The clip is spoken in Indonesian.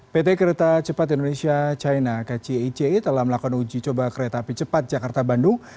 pt kereta cepat indonesia china kcic telah melakukan uji coba kereta api cepat jakarta bandung